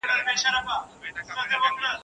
تر دې ډنډه یو کشپ وو هم راغلی !.